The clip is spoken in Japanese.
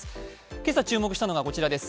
今朝注目したのがこちらです。